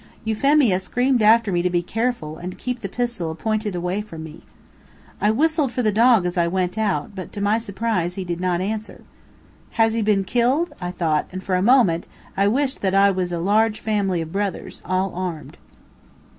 Euphemia screamed after me to be careful and keep the pistol pointed away from me. I whistled for the dog as I went out, but to my surprise he did not answer. "Has he been killed?" I thought, and, for a moment, I wished that I was a large family of brothers all armed.